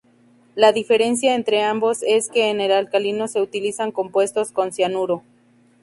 La diferencia entre ambos es que en el alcalino se utilizan compuestos con cianuro.